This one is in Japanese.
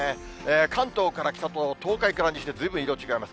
関東から北と東海から西でずいぶん色違います。